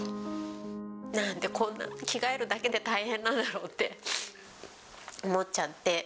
なんでこんな着替えるだけで大変なんだろうって思っちゃって。